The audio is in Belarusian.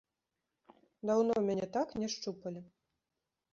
Даўно мяне так не шчупалі.